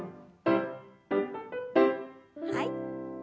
はい。